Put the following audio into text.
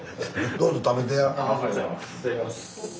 どうぞ食べてや。